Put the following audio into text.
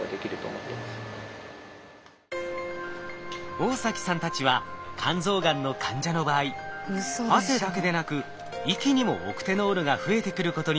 大崎さんたちは肝臓がんの患者の場合汗だけでなく息にもオクテノールが増えてくることに注目。